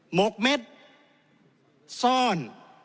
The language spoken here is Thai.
หกเม็ดซ่อน